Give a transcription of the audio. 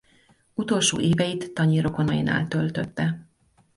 Utolsó éveit tanyi rokonainál töltötte.